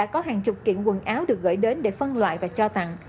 có hàng chục kiện quần áo được gửi đến để phân loại và cho tặng